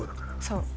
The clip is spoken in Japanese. そう。